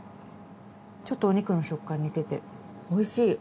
ちょっとお肉の食感に似てて美味しい。